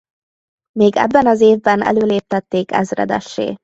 Még ebben az évben előléptették ezredessé.